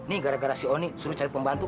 ini gara gara si oni suruh cari pembantu